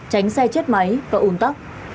tránh xe chết máy và ủn tắc